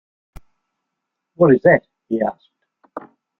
What is that, he asked?